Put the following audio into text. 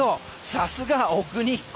さすが奥日光。